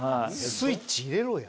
スイッチ入れろや。